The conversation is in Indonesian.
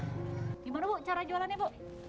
gimana cara jualannya bu